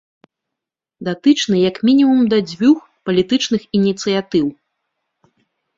Датычны як мінімум да дзвюх палітычных ініцыятыў.